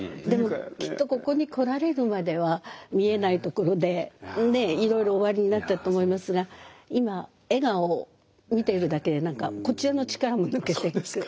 でもきっとここに来られるまでは見えないところでいろいろおありになったと思いますが今笑顔を見ているだけで何かこちらの力も抜けていく。